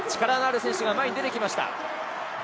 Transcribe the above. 力のある選手が前に出てきました。